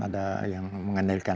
ada yang mengendalikan